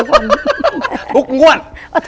พูคพูคง่วน